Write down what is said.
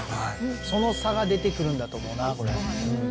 その差が出てくるんだと思うな、これ。